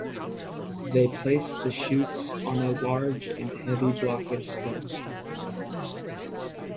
They place the shoots on a large and heavy block of stone.